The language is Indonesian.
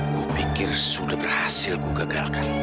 kupikir sudah berhasil kugagalkan